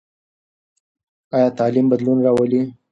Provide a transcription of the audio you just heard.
ایا تعلیم بدلون راولي؟